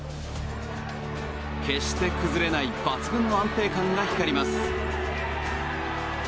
決して崩れない抜群の安定感が光ります。